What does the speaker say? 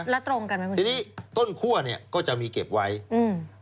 แล้วตรงกันไหมคุณทีนี้ต้นคั่วเนี้ยก็จะมีเก็บไว้อืม